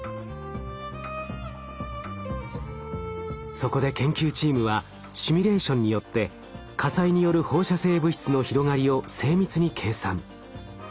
そこで研究チームはシミュレーションによって火災による放射性物質の広がりを精密に計算。